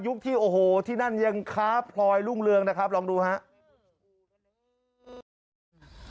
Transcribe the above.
ที่โอ้โหที่นั่นยังค้าพลอยรุ่งเรืองนะครับลองดูครับ